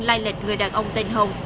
lai lịch người đàn ông tên hồng